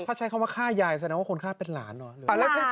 ถ้าใช้คำว่าฆ่ายายแสดงว่าคนฆ่าเป็นหลานเหรอ